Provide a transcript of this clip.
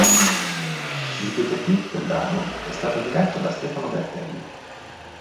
Il videoclip del brano è stato diretto da Stefano Bertelli.